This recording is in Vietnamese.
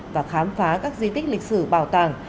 và khám phá các di tích lịch sử bảo tàng